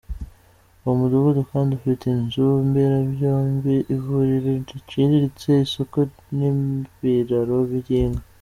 Uwo mudugudu kandi ufite inzu mberabyombi, ivuriro riciriritse, isoko n’ibiraro by’inka.